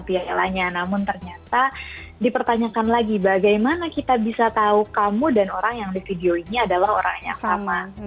pialanya namun ternyata dipertanyakan lagi bagaimana kita bisa tahu kamu dan orang yang di video ini adalah orang yang sama